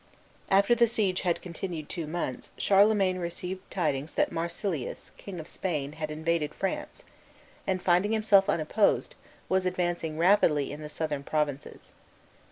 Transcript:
After the siege had continued two months Charlemagne received tidings that Marsilius, king of Spain, had invaded France, and, finding himself unopposed, was advancing rapidly in the Southern provinces.